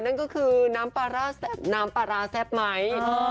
นั่นก็คือน้ำปลาร้าแซ่บไหม